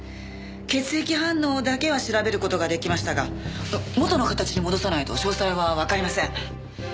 血液反応だけは調べる事が出来ましたが元の形に戻さないと詳細はわかりません。